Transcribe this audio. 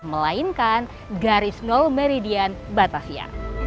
melainkan garis nol meridian batavia